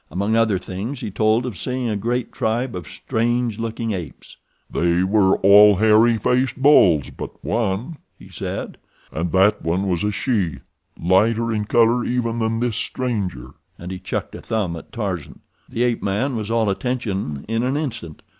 Among other things he told of seeing a great tribe of strange looking apes. "They were all hairy faced bulls but one," he said, "and that one was a she, lighter in color even than this stranger," and he chucked a thumb at Tarzan. The ape man was all attention in an instant.